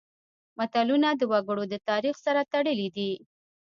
متلونه د وګړو د تاریخ سره تړلي دي